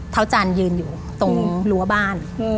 เท้าจันยืนอยู่ตรงรั้วบ้าน